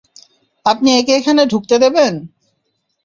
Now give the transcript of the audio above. আপনি একে এখানে ঢুকতে দেবেন?